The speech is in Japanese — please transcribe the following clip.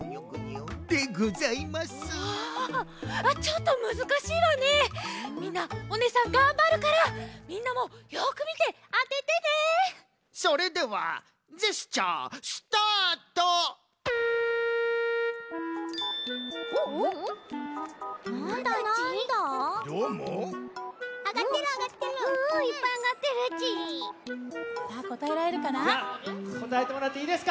こたえてもらっていいですか？